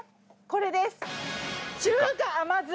これです。